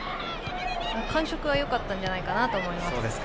感触はよかったんじゃないかなと思います。